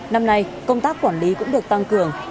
năm nay công tác quản lý cũng được tăng cường